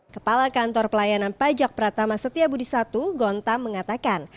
kepala kantor pelayanan pajak pratama setia budi i gonta mengatakan